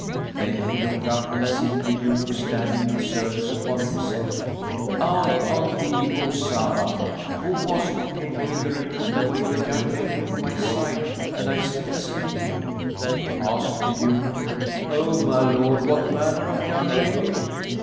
Then he looked up and, seeing the eunuch standing in service upon him, said, "Out on thee, O Sawáb! Who was it came hither and took away the young lady from my side and I still sleeping?" Asked the eunuch, 'O my lord, what manner of young lady?"